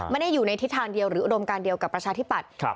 ไม่ได้อยู่ในทิศทางเดียวหรืออุดมการเดียวกับประชาธิปัตย์